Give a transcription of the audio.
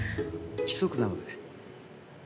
規則なので。